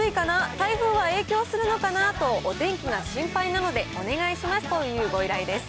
台風が影響するのかな？とお天気が心配なのでお願いしますというご依頼です。